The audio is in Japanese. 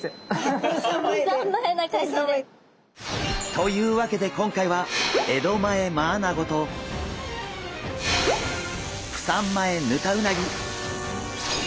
というわけで今回は江戸前マアナゴとプサン前ヌタウナギ！